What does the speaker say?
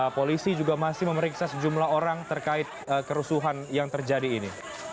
polisi juga masih memeriksa sejumlah orang terkait kerusuhan yang terjadi ini